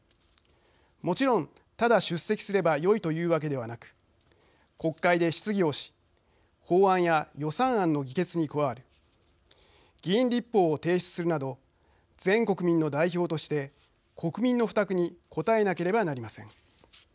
もちろん、ただ出席すればよいというわけではなく国会で質疑をし法案や予算案の議決に加わる議員立法を提出するなど全国民の代表として国民の負託に応えなければなりません。